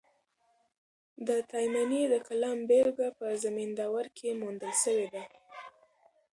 د تایمني د کلام بېلګه په زمینداور کښي موندل سوې ده.